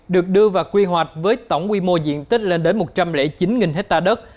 được đưa vào quy hoạch với tổng quy mô diện tích lên đến một trăm linh chín hectare đất